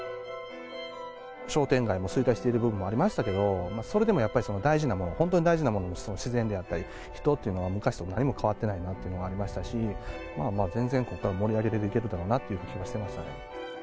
商店街も衰退している部分もありましたけれども、それでもやっぱり大事なもの、本当に大事なものは自然というので、人っていうのは何も変わってないなっていうのがありましたし、まあまあ、全然、こっから盛り上げていけるだろうなという気はしてましたね。